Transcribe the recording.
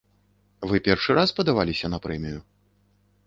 Вы першы раз падаваліся на прэмію?